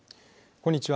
こんにちは。